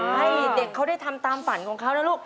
ให้เด็กเขาได้ทำตามฝันของเขานะลูก